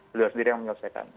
beliau sendiri yang menyelesaikan